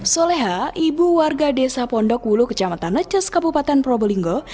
soleha ibu warga desa pondok wulu kecamatan leces kabupaten probolinggo